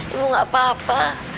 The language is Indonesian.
ibu gak apa apa